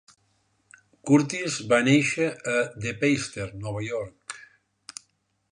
Curtis va néixer a De Peyster, Nova York.